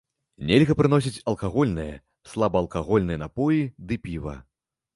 Нельга прыносіць алкагольныя, слабаалкагольныя напоі ды піва.